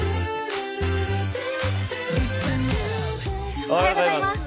おはようございます。